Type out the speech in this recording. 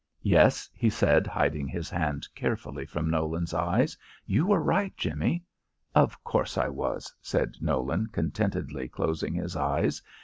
"Yes," he said, hiding his hand carefully from Nolan's eyes, "you were right, Jimmie." "Of course I was," said Nolan, contentedly closing his eyes.